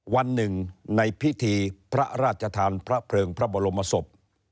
วันหนึ่งในพิธีพระราชทานพระเพลิงพระบรมศพ